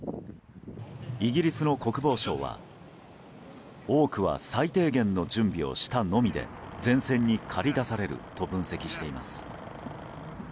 イギリスの国防省は多くは最低限の準備をしたのみで前線に駆り出されると分析しています。